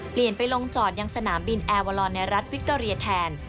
เปลี่ยนไปลงจอดยังสนามบินแอร์วาลอนในรัฐวิคเกอเรียแทน